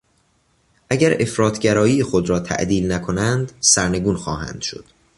اگر افراط گرایی خود را تعدیل نکنند سرنگون خواهند شد.